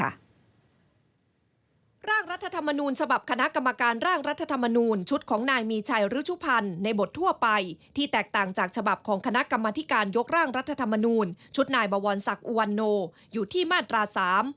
ร่างรัฐธรรมนูญฉบับคณะกรรมการร่างรัฐธรรมนูญชุดของนายมีชัยฤชุพันธ์ในบททั่วไปที่แตกต่างจากฉบับของคณะกรรมธิการยกร่างรัฐธรรมนูญชุดนายบวรศักดิ์อุวันโนอยู่ที่มาตราสาม